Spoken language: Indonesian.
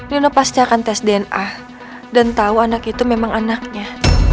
riono pasti akan tes dna dan tahu anak itu memang anaknya